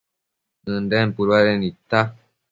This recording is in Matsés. ënden puduanec nidta